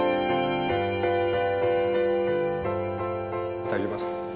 いただきます。